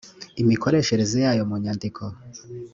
imikoreshereze yayo mu nyandiko